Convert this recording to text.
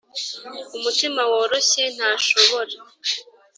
umutima woroshye ntashobore